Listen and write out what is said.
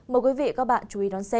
mời quý vị và các bạn chú ý đón xem